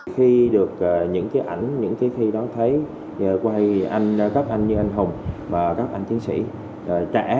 khi được những cái ảnh những cái thi đó thấy quay anh các anh như anh hùng và các anh chiến sĩ trẻ